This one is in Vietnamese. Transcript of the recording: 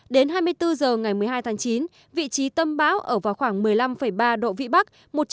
đến hai mươi bốn h ngày một mươi hai tháng chín vị trí tâm bão ở vào khoảng một mươi năm ba độ vĩ bắc